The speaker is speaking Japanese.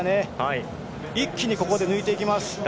一気にここで抜いていきます。